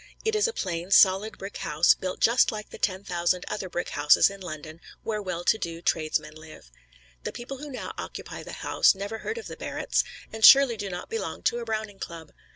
It is a plain, solid brick house, built just like the ten thousand other brick houses in London where well to do tradesmen live. The people who now occupy the house never heard of the Barretts, and surely do not belong to a Browning Club.